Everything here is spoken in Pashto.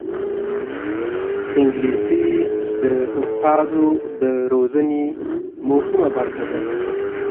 انګلیسي د استازو د روزنې مهمه برخه ده